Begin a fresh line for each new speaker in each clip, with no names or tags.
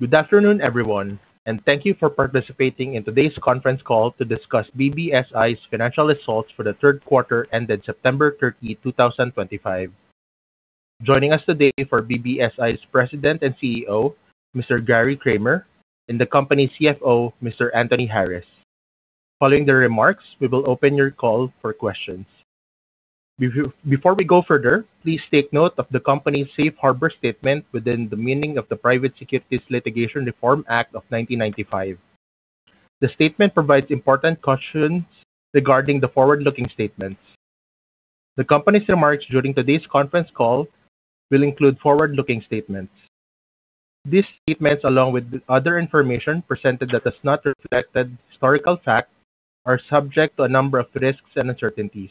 Good afternoon, everyone, and thank you for participating in today's conference call to discuss BBSI's financial results for the third quarter ended September 30, 2025. Joining us today are BBSI's President and CEO, Mr. Gary Kramer, and the company's CFO, Mr. Anthony Harris. Following their remarks, we will open the call for questions. Before we go further, please take note of the company's safe harbor statement within the meaning of the Private Securities Litigation Reform Act of 1995. The statement provides important cautions regarding the forward-looking statements. The company's remarks during today's conference call will include forward-looking statements. These statements, along with other information presented that does not reflect historical facts, are subject to a number of risks and uncertainties.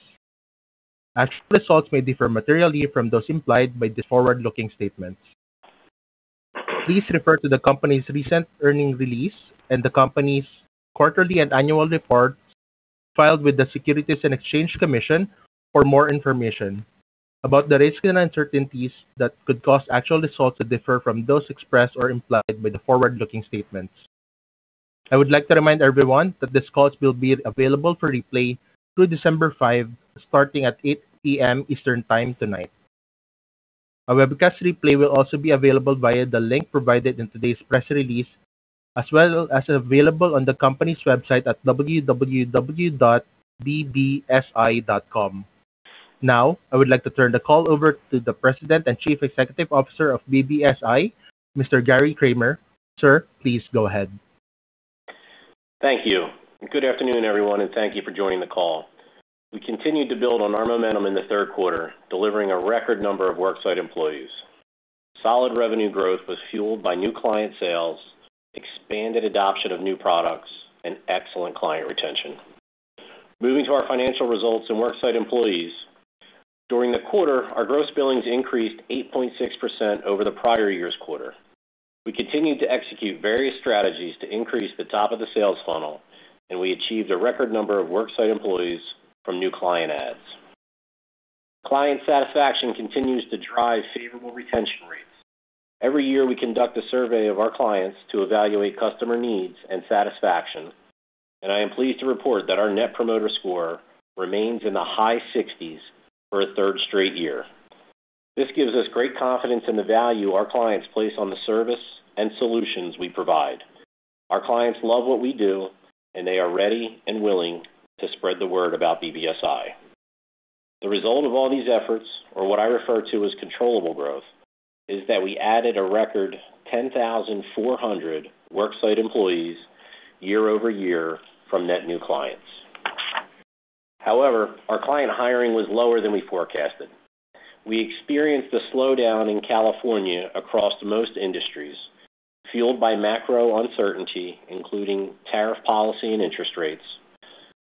Actual results may differ materially from those implied by the forward-looking statements. Please refer to the company's recent earnings release and the company's quarterly and annual reports filed with the Securities and Exchange Commission for more information about the risks and uncertainties that could cause actual results to differ from those expressed or implied by the forward-looking statements. I would like to remind everyone that this call will be available for replay through December 5, starting at 8:00 P.M. Eastern Time tonight. A webcast replay will also be available via the link provided in today's press release, as well as available on the company's website at www.BBSI.com. Now, I would like to turn the call over to the President and Chief Executive Officer of BBSI, Mr. Gary Kramer. Sir, please go ahead.
Thank you. Good afternoon, everyone, and thank you for joining the call. We continued to build on our momentum in the third quarter, delivering a record number of Worksite employees. Solid revenue growth was fueled by new client sales, expanded adoption of new products, and excellent client retention. Moving to our financial results and Worksite employees. During the quarter, our gross billings increased 8.6% over the prior year's quarter. We continued to execute various strategies to increase the top of the sales funnel, and we achieved a record number of Worksite employees from new client adds. Client satisfaction continues to drive favorable retention rates. Every year, we conduct a survey of our clients to evaluate customer needs and satisfaction, and I am pleased to report that our Net Promoter Score remains in the high 60s for a third straight year. This gives us great confidence in the value our clients place on the service and solutions we provide. Our clients love what we do, and they are ready and willing to spread the word about BBSI. The result of all these efforts, or what I refer to as controllable growth, is that we added a record 10,400 Worksite employees year-over-year from net new clients. However, our client hiring was lower than we forecasted. We experienced a slowdown in California across most industries, fueled by macro uncertainty, including tariff policy and interest rates.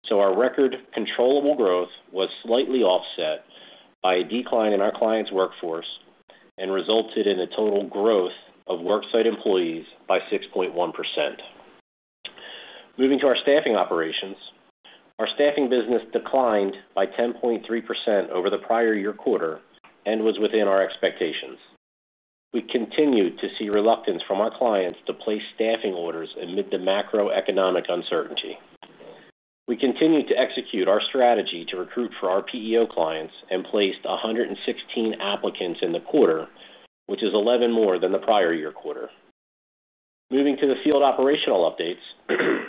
Our record controllable growth was slightly offset by a decline in our client's workforce and resulted in a total growth of Worksite employees by 6.1%. Moving to our staffing operations, our staffing business declined by 10.3% over the prior year quarter and was within our expectations. We continued to see reluctance from our clients to place staffing orders amid the macroeconomic uncertainty. We continued to execute our strategy to recruit for our PEO clients and placed 116 applicants in the quarter, which is 11 more than the prior year quarter. Moving to the field operational updates.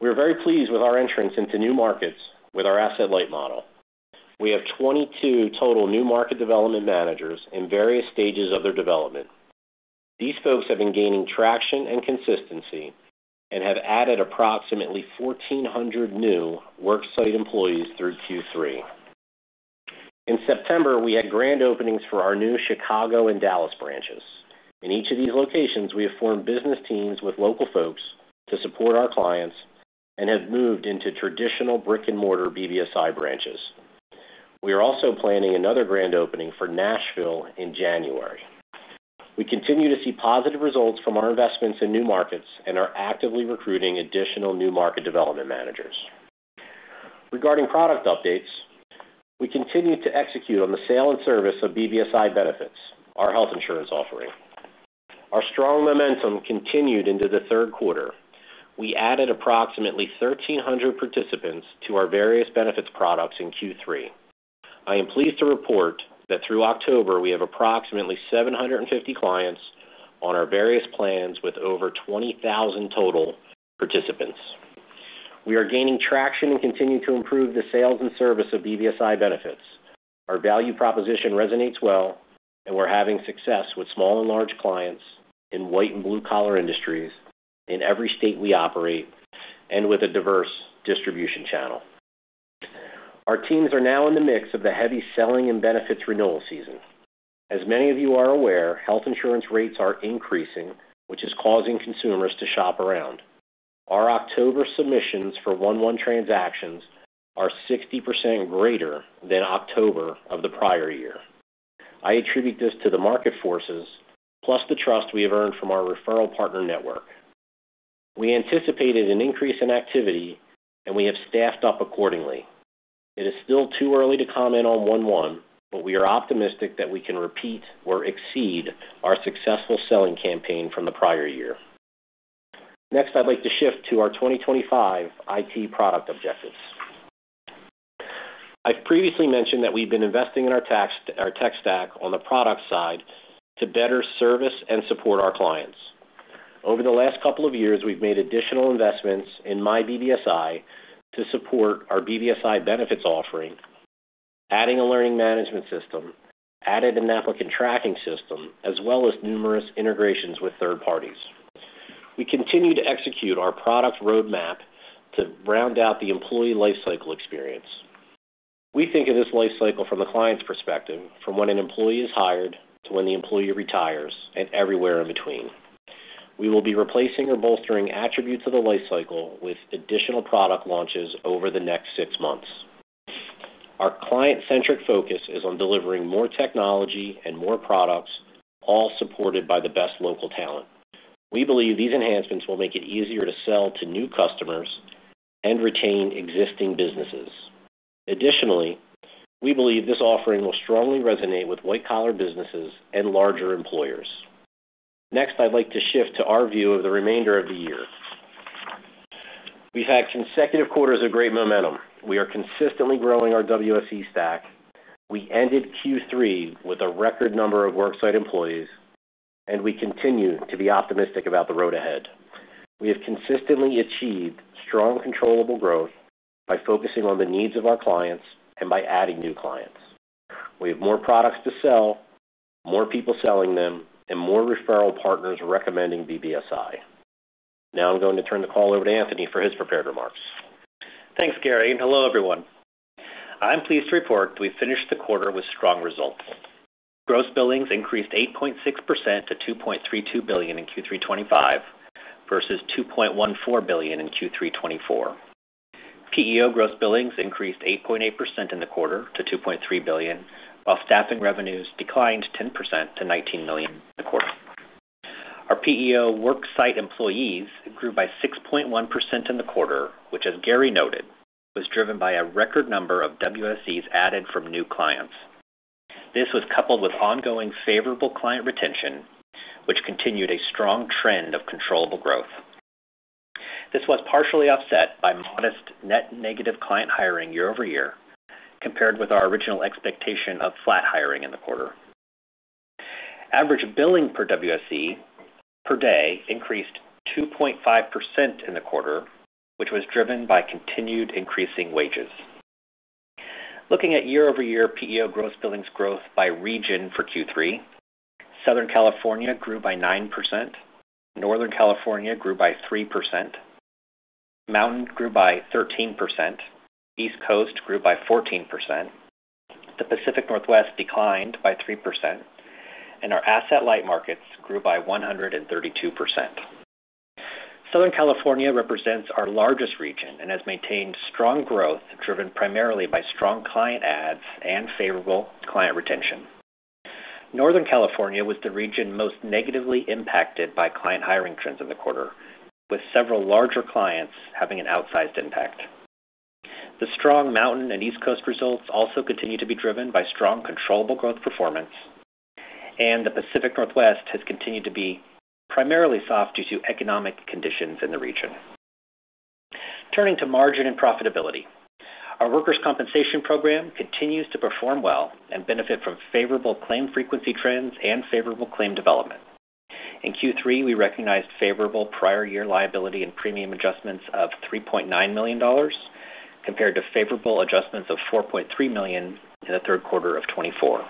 We are very pleased with our entrance into new markets with our asset light model. We have 22 total new market development managers in various stages of their development. These folks have been gaining traction and consistency and have added approximately 1,400 new Worksite employees through Q3. In September, we had grand openings for our new Chicago and Dallas branches. In each of these locations, we have formed business teams with local folks to support our clients and have moved into traditional brick-and-mortar BBSI branches. We are also planning another grand opening for Nashville in January. We continue to see positive results from our investments in new markets and are actively recruiting additional new market development managers. Regarding product updates, we continue to execute on the sale and service of BBSI benefits, our health insurance offering. Our strong momentum continued into the third quarter. We added approximately 1,300 participants to our various benefits products in Q3. I am pleased to report that through October, we have approximately 750 clients on our various plans with over 20,000 total participants. We are gaining traction and continue to improve the sales and service of BBSI benefits. Our value proposition resonates well, and we're having success with small and large clients in white and blue-collar industries in every state we operate and with a diverse distribution channel. Our teams are now in the mix of the heavy selling and benefits renewal season. As many of you are aware, health insurance rates are increasing, which is causing consumers to shop around. Our October submissions for one-to-one transactions are 60% greater than October of the prior year. I attribute this to the market forces, plus the trust we have earned from our referral partner network. We anticipated an increase in activity, and we have staffed up accordingly. It is still too early to comment on one-to-one, but we are optimistic that we can repeat or exceed our successful selling campaign from the prior year. Next, I'd like to shift to our 2025 IT product objectives. I've previously mentioned that we've been investing in our tech stack on the product side to better service and support our clients. Over the last couple of years, we've made additional investments in MyBBSI to support our BBSI benefits offering, adding a learning management system, added an applicant tracking system, as well as numerous integrations with third parties. We continue to execute our product roadmap to round out the employee life cycle experience. We think of this life cycle from the client's perspective, from when an employee is hired to when the employee retires and everywhere in between. We will be replacing or bolstering attributes of the life cycle with additional product launches over the next six months. Our client-centric focus is on delivering more technology and more products, all supported by the best local talent. We believe these enhancements will make it easier to sell to new customers and retain existing businesses. Additionally, we believe this offering will strongly resonate with white-collar businesses and larger employers. Next, I'd like to shift to our view of the remainder of the year. We've had consecutive quarters of great momentum. We are consistently growing our WSE stack. We ended Q3 with a record number of Worksite employees, and we continue to be optimistic about the road ahead. We have consistently achieved strong controllable growth by focusing on the needs of our clients and by adding new clients. We have more products to sell, more people selling them, and more referral partners recommending BBSI. Now I'm going to turn the call over to Anthony for his prepared remarks.
Thanks, Gary. Hello, everyone. I'm pleased to report we finished the quarter with strong results. Gross billings increased 8.6% to $2.32 billion in Q3 2025 versus $2.14 billion in Q3 2024. PEO gross billings increased 8.8% in the quarter to $2.3 billion, while staffing revenues declined 10% to $19 million in the quarter. Our PEO Worksite employees grew by 6.1% in the quarter, which, as Gary noted, was driven by a record number of WSEs added from new clients. This was coupled with ongoing favorable client retention, which continued a strong trend of controllable growth. This was partially offset by modest net negative client hiring year-over-year compared with our original expectation of flat hiring in the quarter. Average billing per WSE per day increased 2.5% in the quarter, which was driven by continued increasing wages. Looking at year-over-year PEO gross billings growth by region for Q3. Southern California grew by 9%, Northern California grew by 3%. Mountain grew by 13%. East Coast grew by 14%. The Pacific Northwest declined by 3%. Our asset light markets grew by 132%. Southern California represents our largest region and has maintained strong growth driven primarily by strong client adds and favorable client retention. Northern California was the region most negatively impacted by client hiring trends in the quarter, with several larger clients having an outsized impact. The strong Mountain and East Coast results also continue to be driven by strong controllable growth performance. The Pacific Northwest has continued to be primarily soft due to economic conditions in the region. Turning to margin and profitability, our workers' compensation program continues to perform well and benefit from favorable claim frequency trends and favorable claim development. In Q3, we recognized favorable prior-year liability and premium adjustments of $3.9 million. Compared to favorable adjustments of $4.3 million in the third quarter of 2024.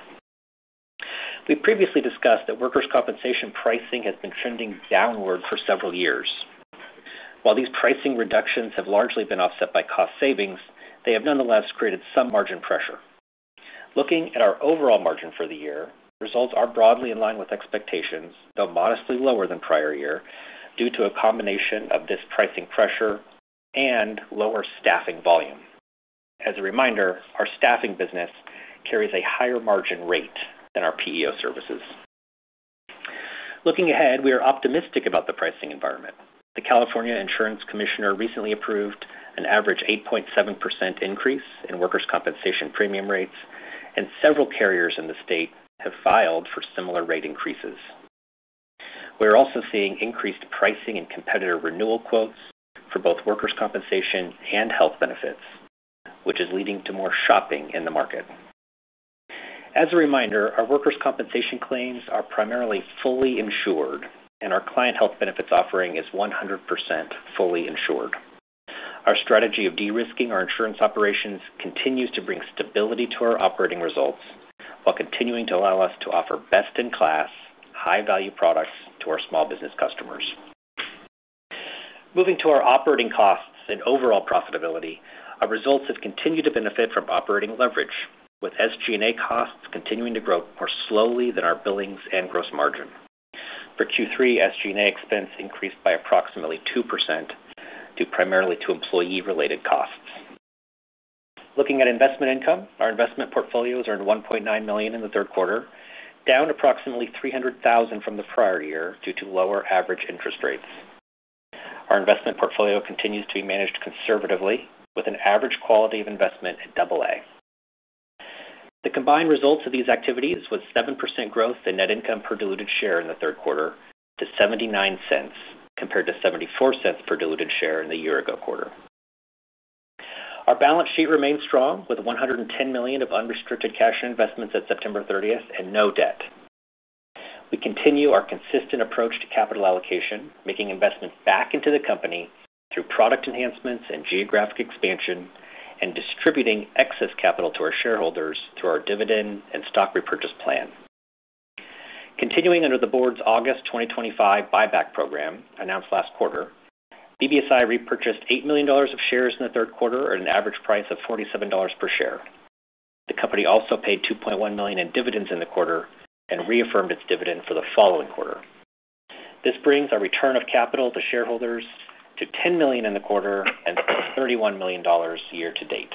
We previously discussed that workers' compensation pricing has been trending downward for several years. While these pricing reductions have largely been offset by cost savings, they have nonetheless created some margin pressure. Looking at our overall margin for the year, results are broadly in line with expectations, though modestly lower than prior year due to a combination of this pricing pressure and lower staffing volume. As a reminder, our staffing business carries a higher margin rate than our PEO services. Looking ahead, we are optimistic about the pricing environment. The California Insurance Commissioner recently approved an average 8.7% increase in workers' compensation premium rates, and several carriers in the state have filed for similar rate increases. We are also seeing increased pricing and competitor renewal quotes for both workers' compensation and health benefits, which is leading to more shopping in the market. As a reminder, our workers' compensation claims are primarily fully insured, and our client health benefits offering is 100% fully insured. Our strategy of de-risking our insurance operations continues to bring stability to our operating results while continuing to allow us to offer best-in-class, high-value products to our small business customers. Moving to our operating costs and overall profitability, our results have continued to benefit from operating leverage, with SG&A costs continuing to grow more slowly than our billings and gross margin. For Q3, SG&A expense increased by approximately 2% due primarily to employee-related costs. Looking at investment income, our investment portfolios earned $1.9 million in the third quarter, down approximately $300,000 from the prior year due to lower average interest rates. Our investment portfolio continues to be managed conservatively, with an average quality of investment at AA. The combined results of these activities were 7% growth in net income per diluted share in the third quarter to $0.79 compared to $0.74 per diluted share in the year-ago quarter. Our balance sheet remains strong, with $110 million of unrestricted cash investments at September 30 and no debt. We continue our consistent approach to capital allocation, making investment back into the company through product enhancements and geographic expansion and distributing excess capital to our shareholders through our dividend and stock repurchase plan. Continuing under the board's August 2025 buyback program announced last quarter, BBSI repurchased $8 million of shares in the third quarter at an average price of $47 per share. The company also paid $2.1 million in dividends in the quarter and reaffirmed its dividend for the following quarter. This brings our return of capital to shareholders to $10 million in the quarter and $31 million year to date.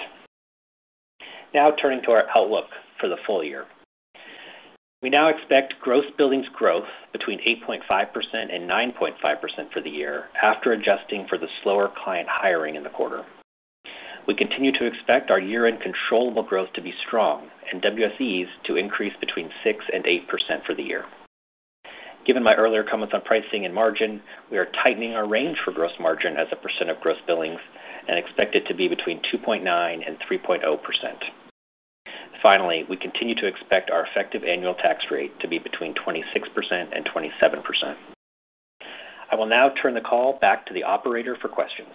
Now turning to our outlook for the full year. We now expect gross billings growth between 8.5% and 9.5% for the year after adjusting for the slower client hiring in the quarter. We continue to expect our year-end controllable growth to be strong and WSEs to increase between 6% and 8% for the year. Given my earlier comments on pricing and margin, we are tightening our range for gross margin as a percent of gross billings and expect it to be between 2.9% and 3.0%. Finally, we continue to expect our effective annual tax rate to be between 26% and 27%. I will now turn the call back to the operator for questions.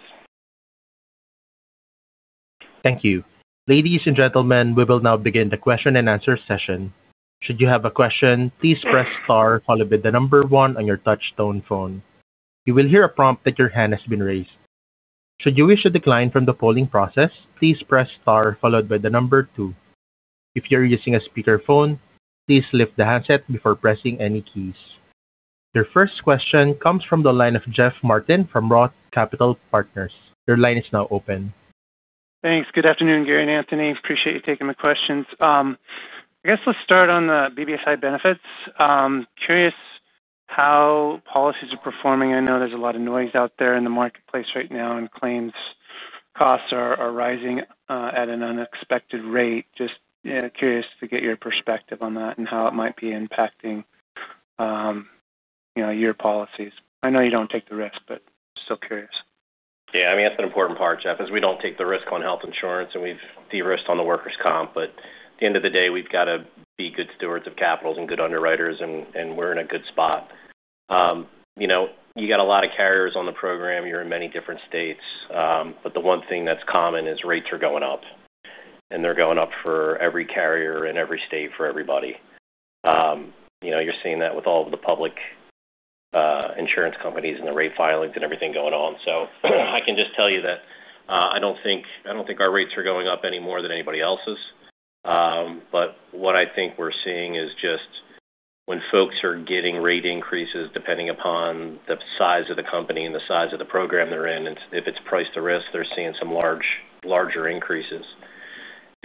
Thank you. Ladies and gentlemen, we will now begin the question and answer session. Should you have a question, please press star followed by the number one on your touch-tone phone. You will hear a prompt that your hand has been raised. Should you wish to decline from the polling process, please press star followed by the number two. If you're using a speakerphone, please lift the handset before pressing any keys. Your first question comes from the line of Jeff Martin from Roth Capital Partners. Your line is now open.
Thanks. Good afternoon, Gary and Anthony. Appreciate you taking my questions. I guess let's start on the BBSI benefits. Curious how policies are performing. I know there's a lot of noise out there in the marketplace right now, and claims costs are rising at an unexpected rate. Just curious to get your perspective on that and how it might be impacting your policies. I know you don't take the risk, but still curious.
Yeah. I mean, that's an important part, Jeff, is we don't take the risk on health insurance, and we've de-risked on the workers' comp. At the end of the day, we've got to be good stewards of capital and good underwriters, and we're in a good spot. You got a lot of carriers on the program. You're in many different states. The one thing that's common is rates are going up, and they're going up for every carrier in every state for everybody. You're seeing that with all of the public insurance companies and the rate filings and everything going on. I can just tell you that I don't think our rates are going up any more than anybody else's. What I think we're seeing is just. When folks are getting rate increases depending upon the size of the company and the size of the program they're in, and if it's priced to risk, they're seeing some larger increases.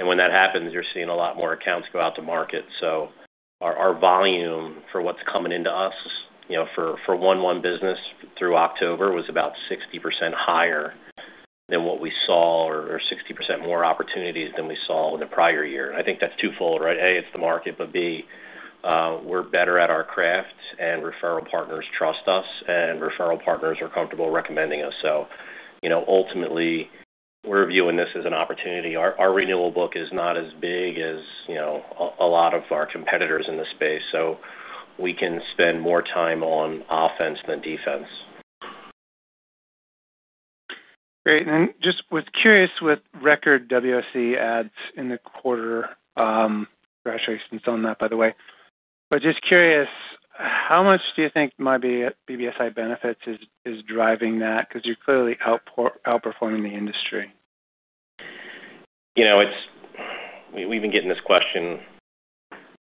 When that happens, you're seeing a lot more accounts go out to market. Our volume for what's coming into us for one-to-one business through October was about 60% higher than what we saw or 60% more opportunities than we saw in the prior year. I think that's twofold, right? A, it's the market, but B, we're better at our craft, and referral partners trust us, and referral partners are comfortable recommending us. Ultimately, we're viewing this as an opportunity. Our renewal book is not as big as a lot of our competitors in the space, so we can spend more time on offense than defense.
Great. Just curious, with record WSE adds in the quarter—congratulations on that, by the way—how much do you think BBSI benefits is driving that? Because you're clearly outperforming the industry.
We've been getting this question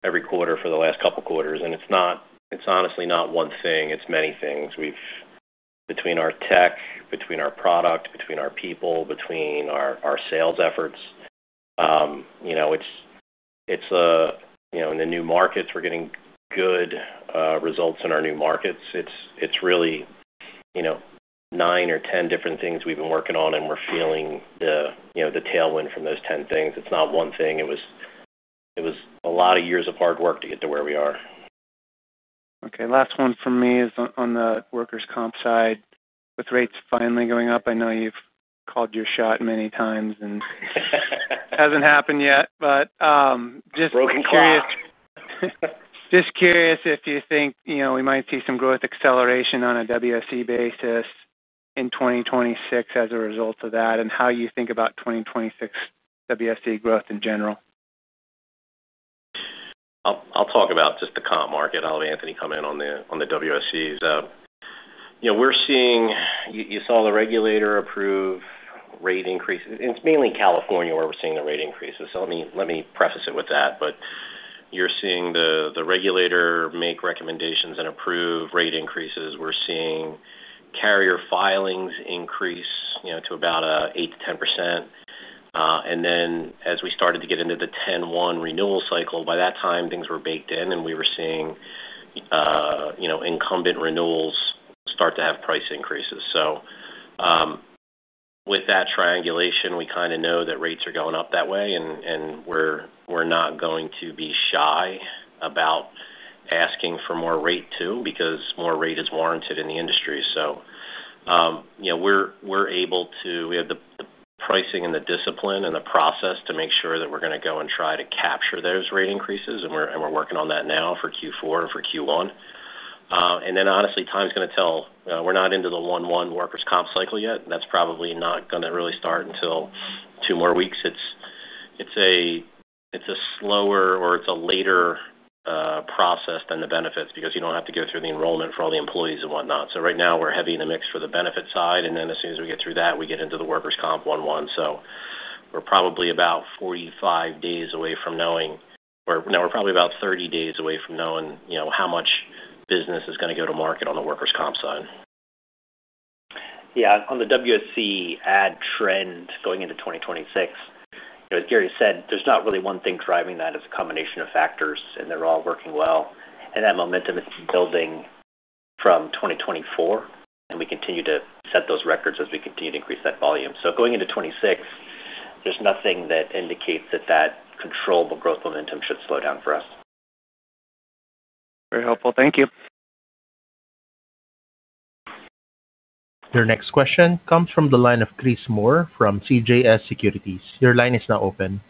every quarter for the last couple of quarters, and it's honestly not one thing. It's many things. Between our tech, between our product, between our people, between our sales efforts. In the new markets, we're getting good results in our new markets. It's really 9 or 10 different things we've been working on, and we're feeling the tailwind from those 10 things. It's not one thing. It was a lot of years of hard work to get to where we are.
Okay. Last one from me is on the workers' comp side. With rates finally going up, I know you've called your shot many times, and it hasn't happened yet. Just curious.
Broken call.
Just curious if you think we might see some growth acceleration on a WSE basis in 2026 as a result of that and how you think about 2026 WSE growth in general.
I'll talk about just the comp market. I'll have Anthony come in on the WSEs. We're seeing you saw the regulator approve rate increases. It's mainly California where we're seeing the rate increases, so let me preface it with that. You're seeing the regulator make recommendations and approve rate increases. We're seeing carrier filings increase to about 8-10%. As we started to get into the 10-1 renewal cycle, by that time, things were baked in, and we were seeing incumbent renewals start to have price increases. With that triangulation, we kind of know that rates are going up that way, and we're not going to be shy about asking for more rate too because more rate is warranted in the industry. We're able to—we have the pricing and the discipline and the process to make sure that we're going to go and try to capture those rate increases, and we're working on that now for Q4 and for Q1. Honestly, time's going to tell. We're not into the one-to-one workers' comp cycle yet. That's probably not going to really start until two more weeks. It's a slower or it's a later process than the benefits because you do not have to go through the enrollment for all the employees and whatnot. Right now, we're heavy in the mix for the benefit side, and then as soon as we get through that, we get into the workers' comp one-to-one. We're probably about 45 days away from knowing—or no, we're probably about 30 days away from knowing how much business is going to go to market on the workers' comp side.
Yeah. On the WSE ad trend going into 2026. As Gary said, there's not really one thing driving that. It's a combination of factors, and they're all working well. That momentum is building. From 2024, and we continue to set those records as we continue to increase that volume. Going into 2026, there's nothing that indicates that that controllable growth momentum should slow down for us.
Very helpful. Thank you.
Your next question comes from the line of Chris Moore from CJS Securities. Your line is now open.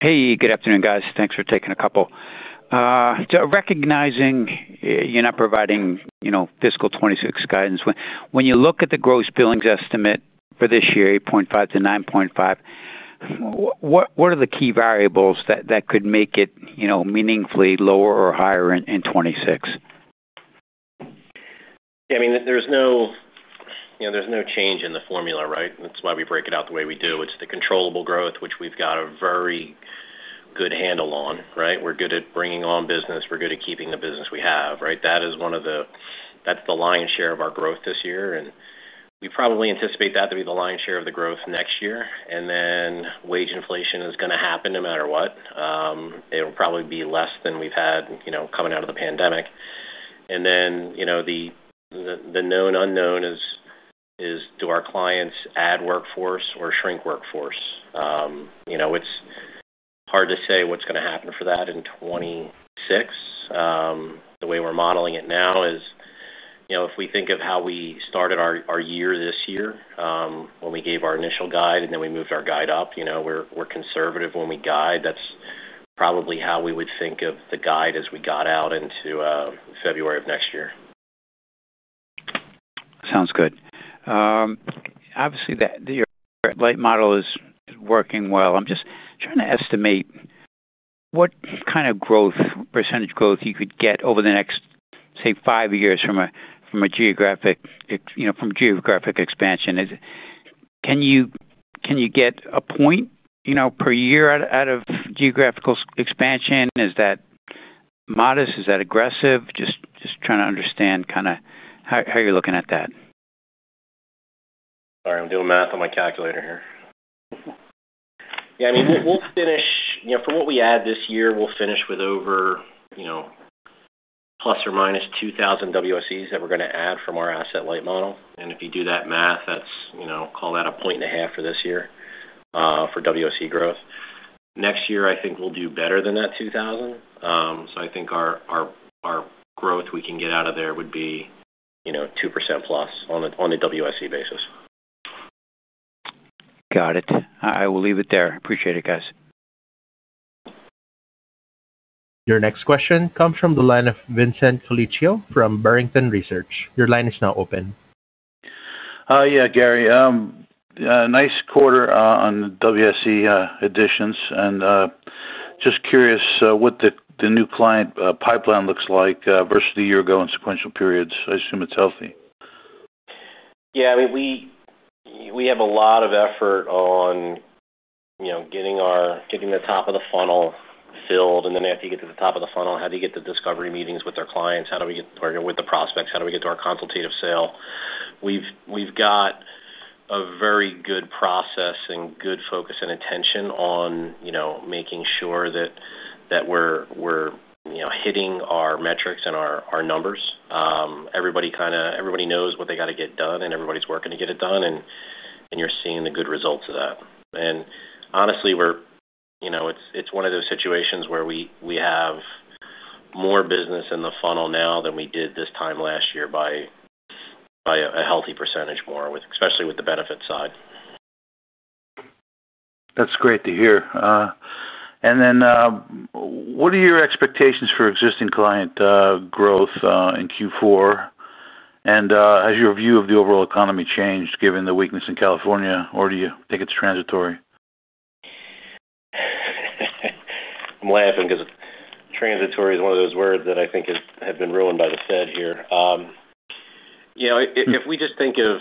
Hey, good afternoon, guys. Thanks for taking a couple. Recognizing you're not providing fiscal 2026 guidance, when you look at the gross billings estimate for this year, 8.5-9.5. What are the key variables that could make it meaningfully lower or higher in 2026?
Yeah. I mean, there's no change in the formula, right? That's why we break it out the way we do. It's the controllable growth, which we've got a very good handle on, right? We're good at bringing on business. We're good at keeping the business we have, right? That is one of the—that's the lion's share of our growth this year, and we probably anticipate that to be the lion's share of the growth next year. Wage inflation is going to happen no matter what. It'll probably be less than we've had coming out of the pandemic. The known/unknown is, do our clients add workforce or shrink workforce? It's hard to say what's going to happen for that in 2026. The way we're modeling it now is if we think of how we started our year-this- year when we gave our initial guide and then we moved our guide up, we're conservative when we guide. That's probably how we would think of the guide as we got out into February of next year.
Sounds good. Obviously, your light model is working well. I'm just trying to estimate. What kind of percentage growth you could get over the next, say, five years from a geographic expansion? Can you get a point per year out of geographical expansion? Is that modest? Is that aggressive? Just trying to understand kind of how you're looking at that.
Sorry, I'm doing math on my calculator here. Yeah. I mean, we'll finish—from what we add this year, we'll finish with over, plus or minus 2,000 WSEs that we're going to add from our asset light model. If you do that math, call that a point and a half for this year for WSE growth. Next year, I think we'll do better than that 2,000. I think our growth we can get out of there would be 2% plus on the WSE basis.
Got it. I will leave it there. Appreciate it, guys.
Your next question comes from the line of Vincent Felicio from Barrington Research. Your line is now open.
Yeah, Gary. Nice quarter on WSE additions. Just curious what the new client pipeline looks like versus a year ago in sequential periods. I assume it's healthy.
Yeah. I mean, we have a lot of effort on getting the top of the funnel filled. After you get to the top of the funnel, how do you get to discovery meetings with our clients? How do we get to working with the prospects? How do we get to our consultative sale? We've got a very good process and good focus and attention on making sure that we're hitting our metrics and our numbers. Everybody knows what they got to get done, and everybody's working to get it done, and you're seeing the good results of that. Honestly, it's one of those situations where we have more business in the funnel now than we did this time last year by a healthy percentage more, especially with the benefit side.
That's great to hear. What are your expectations for existing client growth in Q4? Has your view of the overall economy changed given the weakness in California, or do you think it's transitory?
I'm laughing because transitory is one of those words that I think have been ruined by the Fed here. If we just think of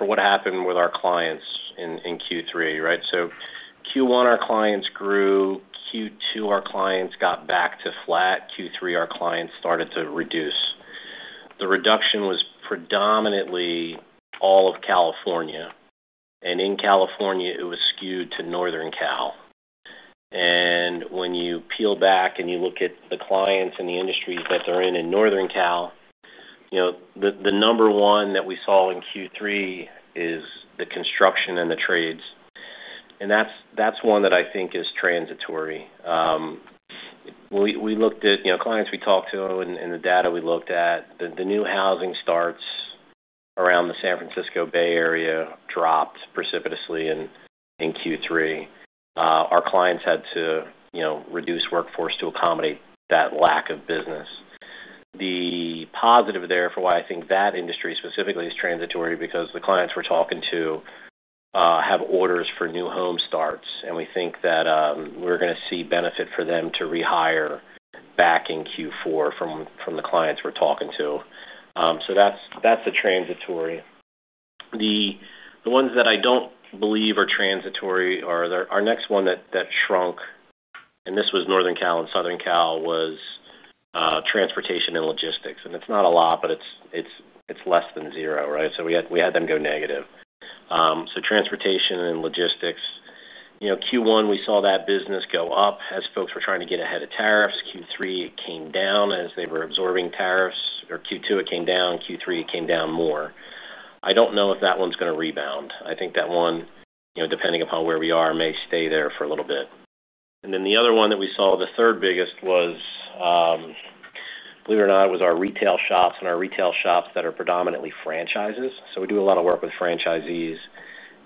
what happened with our clients in Q3, right? Q1, our clients grew. Q2, our clients got back to flat. Q3, our clients started to reduce. The reduction was predominantly all of California, and in California, it was skewed to Northern California. When you peel back and you look at the clients and the industries that they're in in Northern California, the number one that we saw in Q3 is the construction and the trades. That's one that I think is transitory. We looked at clients we talked to and the data we looked at. The new housing starts around the San Francisco Bay Area dropped precipitously in Q3. Our clients had to reduce workforce to accommodate that lack of business. The positive there for why I think that industry specifically is transitory is because the clients we're talking to have orders for new home starts, and we think that we're going to see benefit for them to rehire back in Q4 from the clients we're talking to. That's the transitory. The ones that I don't believe are transitory are our next one that shrunk, and this was Northern California and Southern California, was transportation and logistics. It's not a lot, but it's less than zero, right? We had them go negative. Transportation and logistics, Q1, we saw that business go up as folks were trying to get ahead of tariffs. Q3, it came down as they were absorbing tariffs. Or Q2, it came down. Q3, it came down more. I don't know if that one's going to rebound. I think that one, depending upon where we are, may stay there for a little bit. Then the other one that we saw, the third biggest, was, believe it or not, it was our retail shops. And our retail shops that are predominantly franchises. We do a lot of work with franchisees,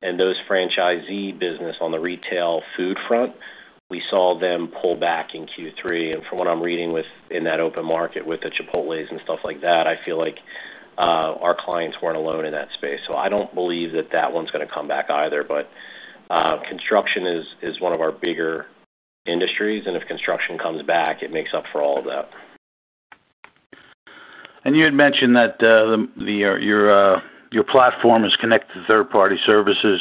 and those franchisee business on the retail food front, we saw them pull back in Q3. From what I'm reading in that open market with the Chipotles and stuff like that, I feel like our clients were not alone in that space. I do not believe that that one is going to come back either. Construction is one of our bigger industries, and if construction comes back, it makes up for all of that.
You had mentioned that your platform is connected to third-party services.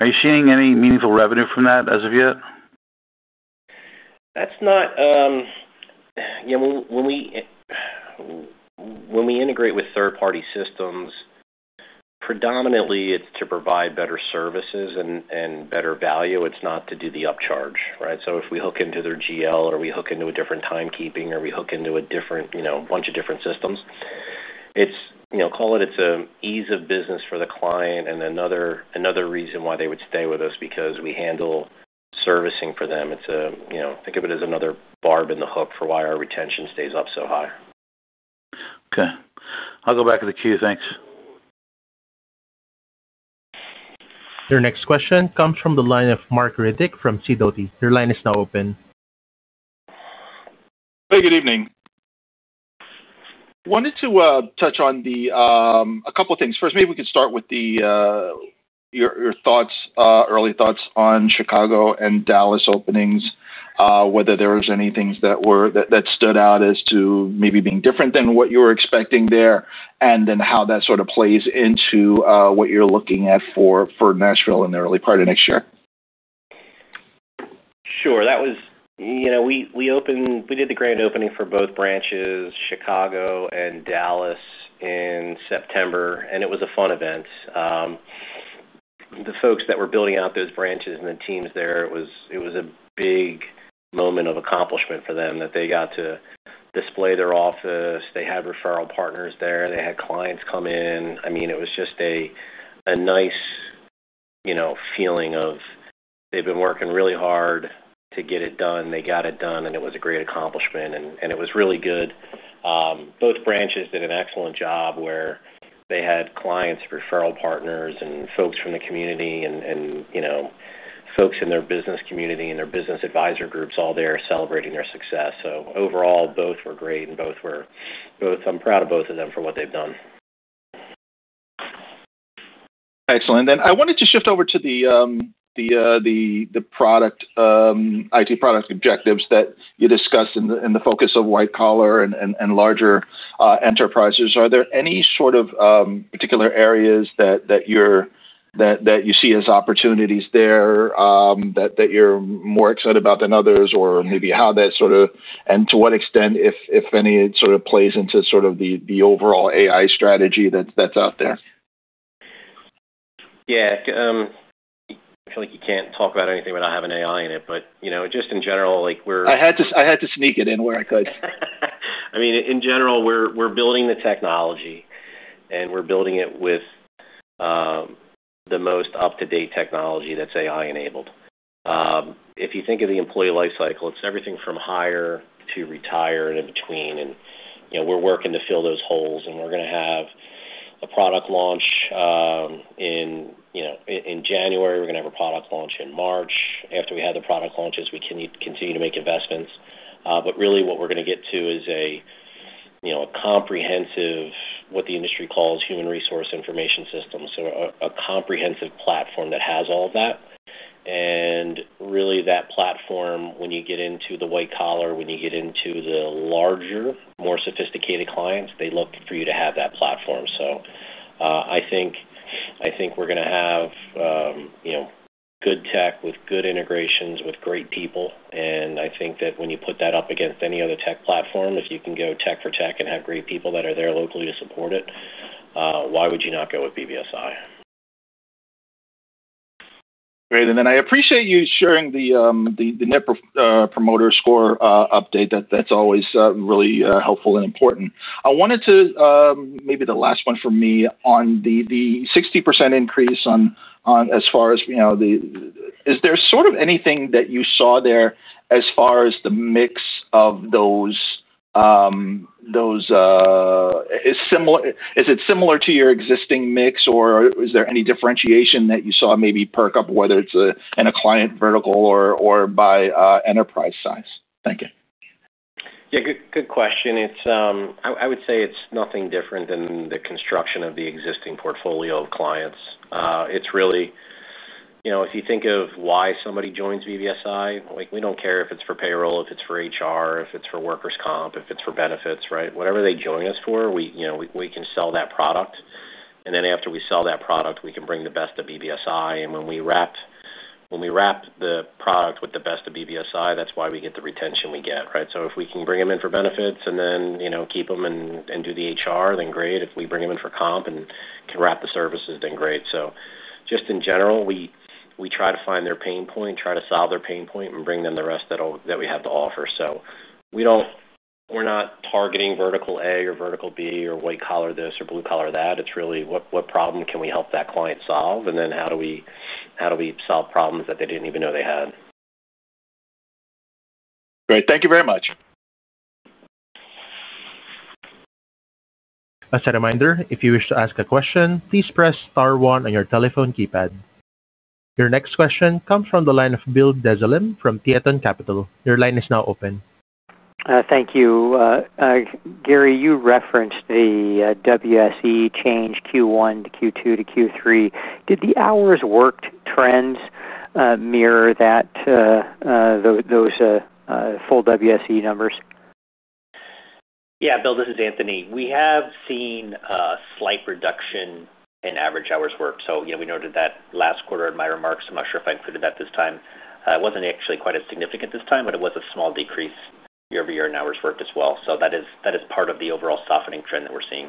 Are you seeing any meaningful revenue from that as of yet?
That's not. Yeah. When we integrate with third-party systems, predominantly, it's to provide better services and better value. It's not to do the upcharge, right? If we hook into their GL, or we hook into a different timekeeping, or we hook into a bunch of different systems, call it, it's an ease of business for the client and another reason why they would stay with us because we handle servicing for them. Think of it as another barb in the hook for why our retention stays up so high.
Okay. I'll go back to the queue. Thanks.
Your next question comes from the line of Mark Reddick from CW. Your line is now open.
Hey, good evening. Wanted to touch on a couple of things. First, maybe we could start with your early thoughts on Chicago and Dallas openings, whether there were any things that stood out as to maybe being different than what you were expecting there, and then how that sort of plays into what you're looking at for Nashville in the early part of next year.
Sure. That was. We did the grand opening for both branches, Chicago and Dallas, in September, and it was a fun event. The folks that were building out those branches and the teams there, it was a big moment of accomplishment for them that they got to display their office. They had referral partners there. They had clients come in. I mean, it was just a nice feeling of. They've been working really hard to get it done. They got it done, and it was a great accomplishment. It was really good. Both branches did an excellent job where they had clients, referral partners, and folks from the community and folks in their business community and their business advisor groups all there celebrating their success. Overall, both were great, and both were. I'm proud of both of them for what they've done.
Excellent. I wanted to shift over to the IT product objectives that you discussed in the focus of White Collar and larger enterprises. Are there any sort of particular areas that you see as opportunities there that you're more excited about than others, or maybe how that sort of, and to what extent, if any, it sort of plays into sort of the overall AI strategy that's out there?
Yeah. I feel like you can't talk about anything without having AI in it, but just in general, we're.
I had to sneak it in where I could.
I mean, in general, we're building the technology, and we're building it with the most up-to-date technology that's AI-enabled. If you think of the employee life cycle, it's everything from hire to retire and in between. We're working to fill those holes, and we're going to have a product launch in January. We're going to have a product launch in March. After we have the product launches, we can continue to make investments. Really, what we're going to get to is a comprehensive, what the industry calls, human resource information system. A comprehensive platform that has all of that. Really, that platform, when you get into the White Collar, when you get into the larger, more sophisticated clients, they look for you to have that platform. I think we're going to have good tech with good integrations with great people. I think that when you put that up against any other tech platform, if you can go tech for tech and have great people that are there locally to support it, why would you not go with BBSI?
Great. I appreciate you sharing the Net Promoter Score update. That is always really helpful and important. I wanted to, maybe the last one for me, on the 60% increase as far as, is there sort of anything that you saw there as far as the mix of those? Is it similar to your existing mix, or is there any differentiation that you saw maybe perk up, whether it is in a client vertical or by enterprise size? Thank you.
Yeah. Good question. I would say it's nothing different than the construction of the existing portfolio of clients. It's really, if you think of why somebody joins BBSI, we don't care if it's for payroll, if it's for HR, if it's for workers' comp, if it's for benefits, right? Whatever they join us for, we can sell that product. And then after we sell that product, we can bring the best of BBSI. When we wrap the product with the best of BBSI, that's why we get the retention we get, right? If we can bring them in for benefits and then keep them and do the HR, then great. If we bring them in for comp and can wrap the services, then great. Just in general, we try to find their pain point, try to solve their pain point, and bring them the rest that we have to offer. We're not targeting vertical A or vertical B or White Collar this or Blue Collar that. It's really what problem can we help that client solve, and then how do we solve problems that they didn't even know they had.
Great. Thank you very much.
As a reminder, if you wish to ask a question, please press star one on your telephone keypad. Your next question comes from the line of Bill Desalim from Theaton Capital. Your line is now open.
Thank you. Gary, you referenced the WSE change Q1 to Q2 to Q3. Did the hours worked trends mirror that? Those full WSE numbers?
Yeah. Bill, this is Anthony. We have seen a slight reduction in average hours worked. Yeah, we noted that last quarter in my remarks. I'm not sure if I included that this time. It was not actually quite as significant this time, but it was a small decrease year-over-year in hours worked as well. That is part of the overall softening trend that we're seeing.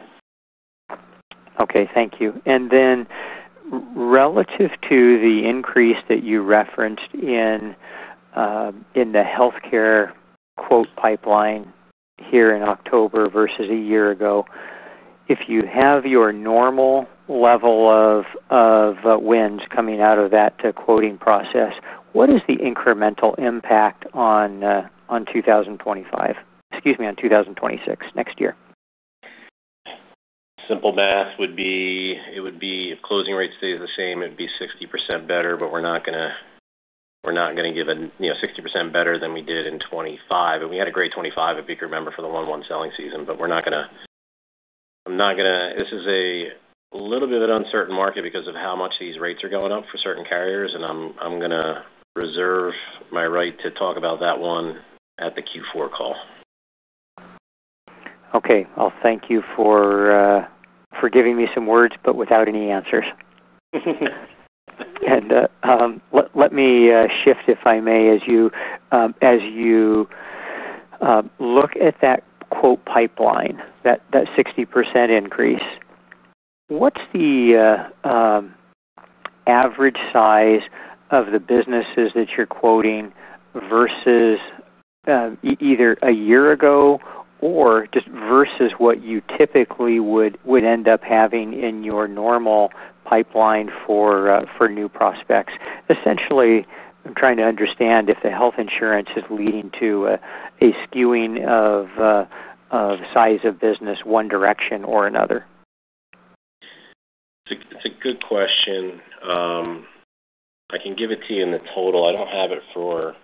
Okay. Thank you. Relative to the increase that you referenced in the healthcare quote pipeline here in October versus a year ago, if you have your normal level of wins coming out of that quoting process, what is the incremental impact on 2026, next year?
Simple math would be. If closing rates stay the same, it'd be 60% better, but we're not going to. Give a 60% better than we did in 2025. And we had a great 2025, if you can remember, for the one-one selling season, but we're not going to. This is a little bit of an uncertain market because of how much these rates are going up for certain carriers, and I'm going to reserve my right to talk about that one at the Q4 call.
Okay. I'll thank you for giving me some words, but without any answers. Let me shift, if I may, as you look at that quote pipeline, that 60% increase, what's the average size of the businesses that you're quoting versus either a year ago or just versus what you typically would end up having in your normal pipeline for new prospects? Essentially, I'm trying to understand if the health insurance is leading to a skewing of size of business one direction or another.
It's a good question. I can give it to you in the total. I don't have it for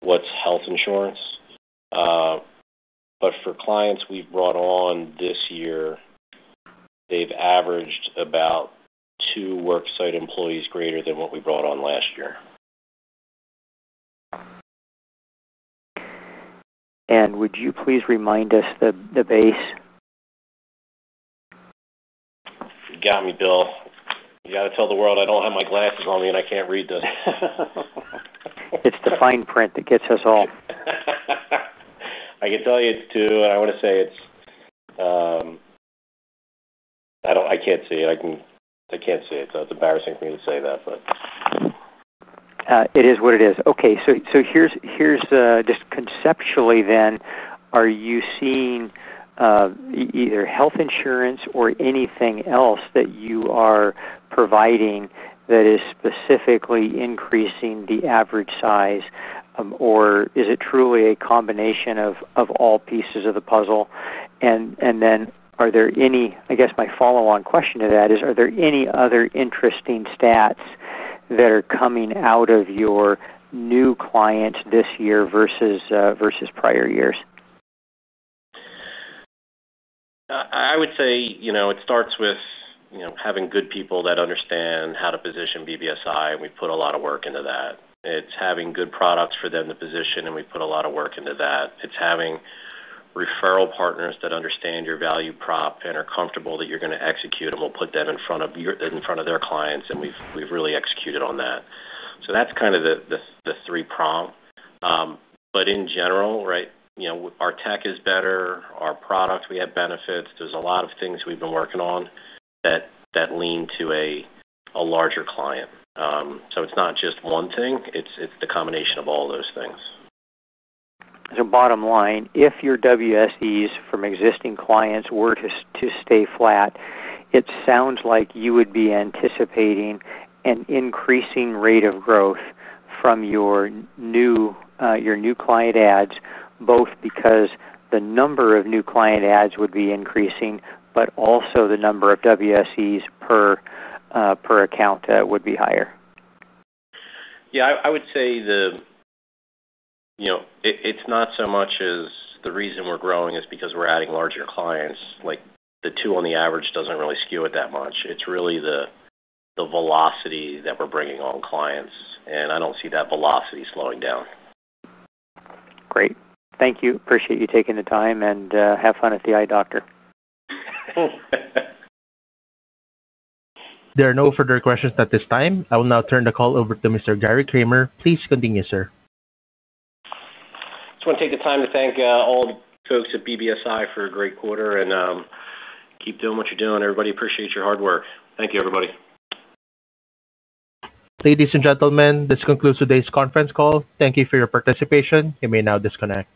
what's health insurance. But for clients we've brought on this year, they've averaged about two worksite employees greater than what we brought on last year.
Would you please remind us the base?
You got me, Bill. You got to tell the world I don't have my glasses on me and I can't read this.
It's the fine print that gets us all.
I can tell you it's two, and I want to say it's. I can't see it, so it's embarrassing for me to say that, but.
It is what it is. Okay. So here's just conceptually then, are you seeing either health insurance or anything else that you are providing that is specifically increasing the average size, or is it truly a combination of all pieces of the puzzle? My follow-on question to that is, are there any other interesting stats that are coming out of your new clients this year versus prior years?
I would say it starts with having good people that understand how to position BBSI, and we've put a lot of work into that. It's having good products for them to position, and we've put a lot of work into that. It's having referral partners that understand your value prop and are comfortable that you're going to execute, and will put them in front of their clients, and we've really executed on that. That is kind of the three-prong. In general, right, our tech is better, our product, we have benefits. There are a lot of things we've been working on that lean to a larger client. It is not just one thing. It is the combination of all those things.
Bottom line, if your WSEs from existing clients were to stay flat, it sounds like you would be anticipating an increasing rate of growth from your new client adds, both because the number of new client adds would be increasing, but also the number of WSEs per account would be higher.
Yeah. I would say the, it's not so much as the reason we're growing is because we're adding larger clients. The two on the average doesn't really skew it that much. It's really the velocity that we're bringing on clients, and I don't see that velocity slowing down.
Great. Thank you. Appreciate you taking the time, and have fun at the eye doctor.
There are no further questions at this time. I will now turn the call over to Mr. Gary Kramer. Please continue, sir.
I just want to take the time to thank all the folks at BBSI for a great quarter, and keep doing what you're doing. Everybody appreciates your hard work. Thank you, everybody.
Ladies and gentlemen, this concludes today's conference call. Thank you for your participation. You may now disconnect.